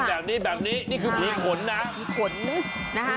เป็นแบบนี้นี่คือผีขนนะ